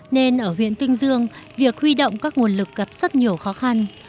nên ở huyện kinh dương việc huy động các nguồn lực gặp rất nhiều khó khăn